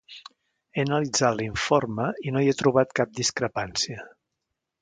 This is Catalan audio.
He analitzat l'informe i no hi he trobat cap discrepància.